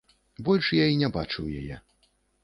Больш я і не бачыў яе.